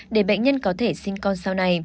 để bệnh nhân có thể sinh con sau này